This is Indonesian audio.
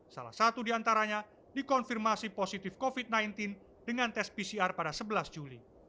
salah satu diantaranya dikonfirmasi positif covid sembilan belas dengan tes pcr pada sebelas juli